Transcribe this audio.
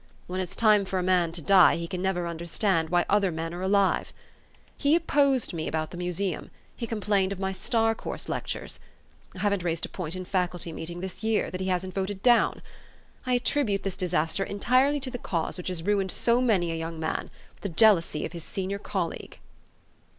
When it's time for a man to die, he never can under stand why other men are alive. He opposed me 320 THE STORY OF AVIS. about the museum ; he complained of my Star Course Lectures ; I haven't raised a point in Faculty meeting this year, that he hasn't voted down. I attribute this disaster entirely to the cause which has ruined so many a young man, the jealousy of his senior colleague."